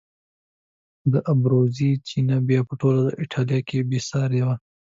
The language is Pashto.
د ابروزي چینه بیا په ټوله ایټالیا کې بې سارې وه.